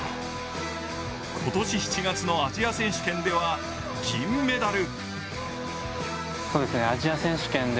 今年７月のアジア選手権では銀メダル。